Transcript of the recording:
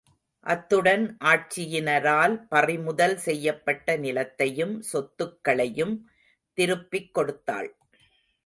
அத்துடன் ஆட்சியினரால் பறிமுதல் செய்யப்பட்ட நிலத்தையும், சொத்துக்களையும் திருப்பிக் கொடுத்தாள்.